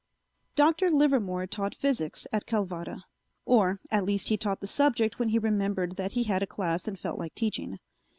Dr. Livermore taught physics at Calvada, or at least he taught the subject when he remembered that he had a class and felt like teaching.